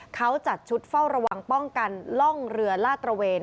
เขาจัดชุดเฝ้าระวังป้องกันล่องเรือลาดตระเวน